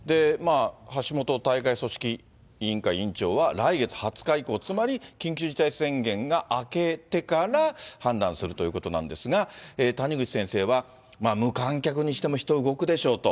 橋本大会組織委員長は来月２０日以降、つまり緊急事態宣言が明けてから判断するということなんですが、谷口先生は、無観客にしても人、動くでしょうと。